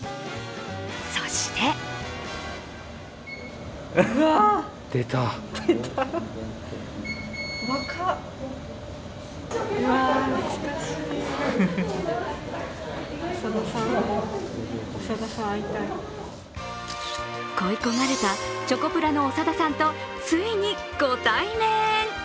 そして恋い焦がれたチョコプラの長田さんと、ついにご対面。